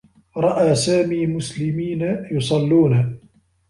رأى سامي مسلمين يصلّون.